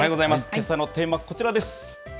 けさのテーマはこちらです。